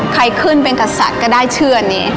ใครขึ้นเป็นกษัตริย์ก็ได้ชื่ออันนี้